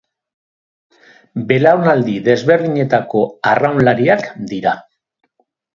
Belaunaldi desberdinetako arraunlariak dira.